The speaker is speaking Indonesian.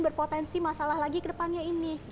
berpotensi masalah lagi ke depannya ini